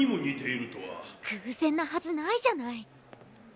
偶然なはずないじゃない！